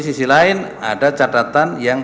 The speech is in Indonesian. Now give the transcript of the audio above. sisi lain ada catatan yang